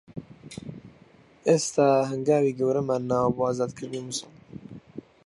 ئێستا هەنگاوی گەورەمان ناوە بۆ ئازادکردنی موسڵ